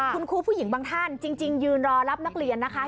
คุณครูผู้หญิงบางท่านจริงยืนรอรับนักเรียนนะคะ